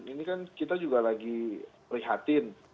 ini kan kita juga lagi prihatin